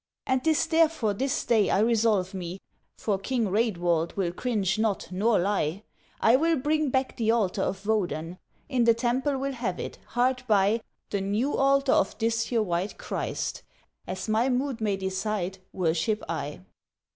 "And 'tis therefore this day I resolve me, for King Raedwald will cringe not, nor lie! I will bring back the altar of Woden; in the temple will have it, hard by The new altar of this your white Christ. As my mood may decide, worship I!"